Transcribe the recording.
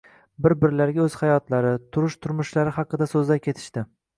Bir-birlariga oʻz hayotlari, turish-turmushlari haqida soʻzlay ketishdi